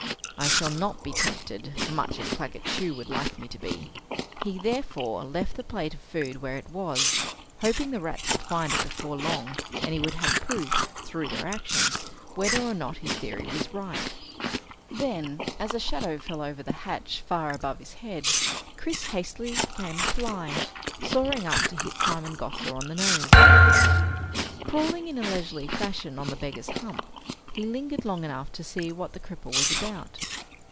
I shall not be tempted, much as Claggett Chew would like me to be! He therefore left the plate of food where it was, hoping the rats would find it before long and he would have proof, through their actions, whether or not his theory was right. Then, as a shadow fell over the hatch far above his head, Chris hastily became a fly, soaring up to hit Simon Gosler on the nose. Crawling in a leisurely fashion on the beggar's hump, he lingered long enough to see what the cripple was about.